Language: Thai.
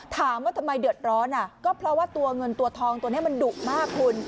ถามว่าทำไมเดือดร้อนก็เพราะว่าตัวเงินตัวทองตัวนี้มันดุมากคุณ